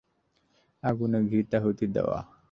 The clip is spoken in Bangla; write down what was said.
আগুনে ঘৃতাহুতি দেওয়া।